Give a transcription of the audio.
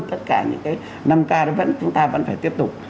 tất cả những cái năm k chúng ta vẫn phải tiếp tục